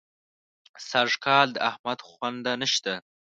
سږکال د احمد خونده نه شته.